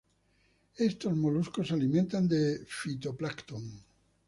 Estos moluscos se alimentan de fitoplancton.